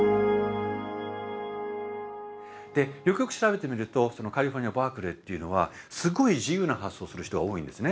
よくよく調べてみるとカリフォルニアバークレーっていうのはすごい自由な発想をする人が多いんですね。